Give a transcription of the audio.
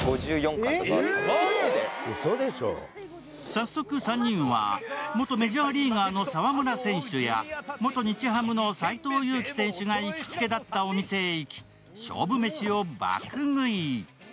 早速、３人は元メジャーリーガーの澤村選手や元・日ハムの斎藤佑樹選手が行きつけだったお店へ行き、勝負飯を爆食い。